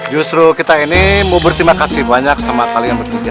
justru kita ini mau berterima kasih banyak sama kalian bekerja